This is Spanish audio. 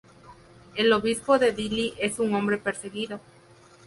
El obispo de Dili es un hombre perseguido.